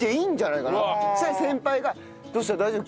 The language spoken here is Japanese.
そしたら先輩が「どうした大丈夫？